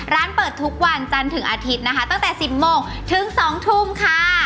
ร้านเปิดทุกวันจันทร์ถึงอาทิตย์นะคะตั้งแต่๑๐โมงถึง๒ทุ่มค่ะ